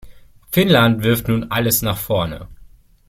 Finnland wirft nun alles nach vorne.